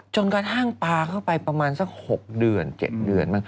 จนกระทั่งปลาเข้าไปประมาณสัก๖เดือน๗เดือนบ้าง